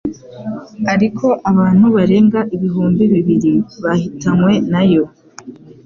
ariko abantu barenga ibihumbi bibiri bahitanywe nayo